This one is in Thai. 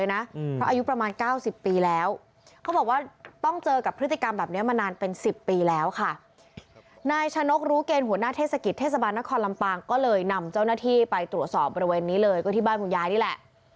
นายชะนกรู้เกณฑ์หัวหน้าเทศกิจเทศบาลนครลำปางก็เลยนำเจ้าหน้าที่ไปตรวจสอบบริเวณนี้เลยก็ที่บ้านคุณยายนี่แหละ